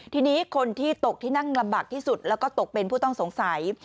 ทีนี้คนที่ตกที่นั่งลำบากที่สุดแล้วก็ตกเป็นผู้ต้องสงสัย